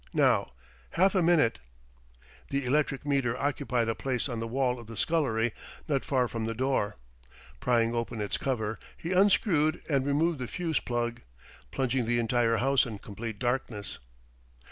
Now, half a minute...." The electric meter occupied a place on the wall of the scullery not far from the door. Prying open its cover, he unscrewed and removed the fuse plug, plunging the entire house in complete darkness.